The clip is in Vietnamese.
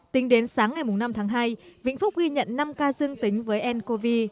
tính đến sáng ngày năm tháng hai vĩnh phúc ghi nhận năm ca dương tính với ncov